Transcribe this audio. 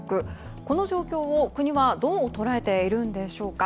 この状況を国はどう捉えているんでしょうか。